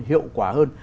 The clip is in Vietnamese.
hiệu quả hơn